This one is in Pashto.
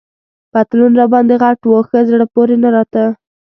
پتلون راباندي غټ وو، ښه زړه پورې نه راته.